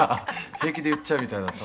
「平気で言っちゃうみたいなさ」